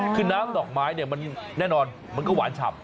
คือน้ำดอกไม้เนี่ยมันแน่นอนมันก็หวานฉ่ำ